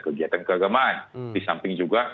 kegiatan keagamaan disamping juga